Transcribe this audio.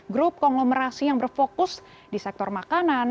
grup konglomerasi yang berfokus di sektor makanan